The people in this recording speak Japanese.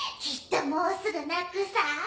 きっともうすぐ泣くさ。